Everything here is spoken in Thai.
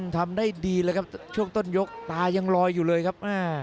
ทำได้ดีเลยครับช่วงต้นยกตายังลอยอยู่เลยครับ